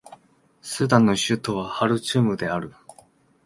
スーダンの首都はハルツームである